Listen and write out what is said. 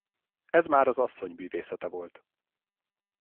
Ez már az asszony bűvészete volt.